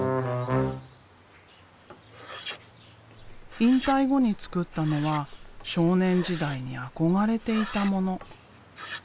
引退後に作ったのは少年時代に憧れていたもの。